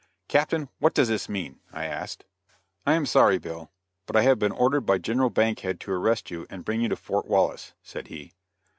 "Captain, what does this mean?" I asked. "I am sorry, Bill, but I have been ordered by General Bankhead to arrest you and bring you to Fort Wallace," said he.